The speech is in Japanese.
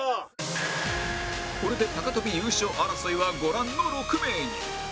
これで高跳び優勝争いはご覧の６名に